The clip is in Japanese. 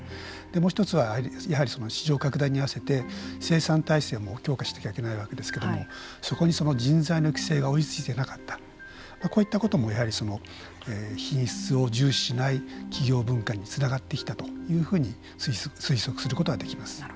もう一つは、やはり市場拡大に合わせて生産体制も強化していかなければいけないわけですけれどもそこに人材の育成が追いついてなかったこういったこともやはり品質を重視しない企業文化につながってきたというふうに推測することができます。